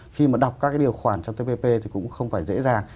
khi mà đọc các cái điều khoản trong tpp thì cũng không phải dễ dàng